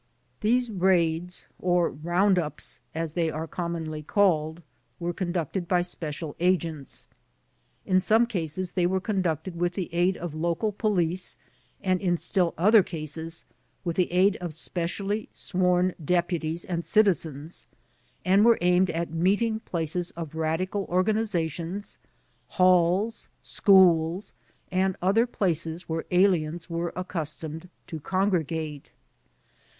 These raids, or round uijs, as they are commonly called, were conducted by special agents. In some cases they were conducted with the aid of local police and in still other cases with the aid of specially sworn deputies and citizens and were aimed at meeting places of radical or ganizations, halls, schools, and other places where aliens were accustomed to congregate.